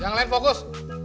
yang lain fokus